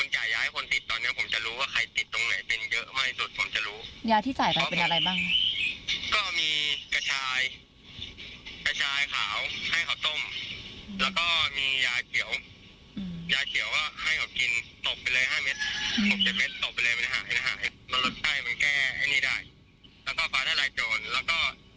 ยาที่ส่ายไปเป็นอะไรบ้าง